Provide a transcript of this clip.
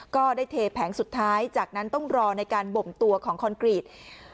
เทแผงสุดท้ายจากนั้นต้องรอในการบ่มตัวของคอนกรีต